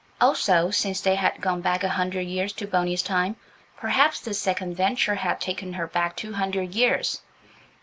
Also, since they had gone back a hundred years to Boney's time, perhaps this second venture had taken her back two hundred years.